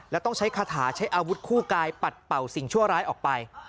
และต้องใช้คาถาใช้อาวุธคู่กายปัดเป่าสิ่งชั่วร้ายออกไป